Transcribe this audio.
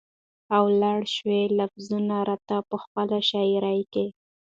او لړ شوي لفظونه راته په خپله شاعرۍ کې